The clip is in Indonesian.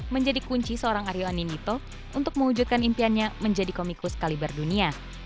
menjadi kunci seorang aryo ninito untuk mewujudkan impiannya menjadi komikus kaliber dunia